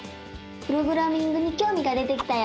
プログラミングにきょうみが出てきたよ！